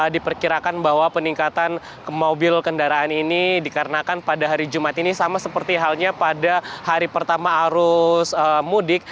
diperkirakan bahwa peningkatan mobil kendaraan ini dikarenakan pada hari jumat ini sama seperti halnya pada hari pertama arus mudik